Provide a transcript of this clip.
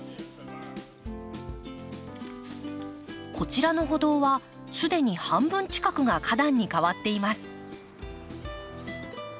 こちらの歩道は既に半分近くが花壇に替わっています。